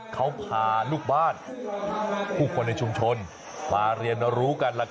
เขาพาลูกบ้านผู้คนในชุมชนมาเรียนรู้กัน